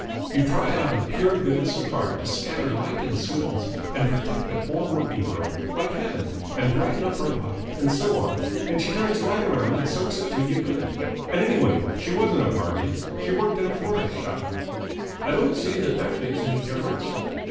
"You try out of pure goodness of heart to scatter light and sweetness and protect the poor working girl like Heaven and brighten up her lot and so on, and she turns right around and soaks it to you good! And anyway she wasn't a barmaid. She worked in a florist's shop." "I don't see that that makes any difference."